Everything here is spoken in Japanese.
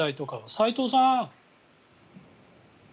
齋藤さん。